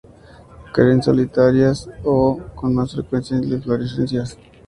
Crecen solitarias o, con más frecuencia, en inflorescencias.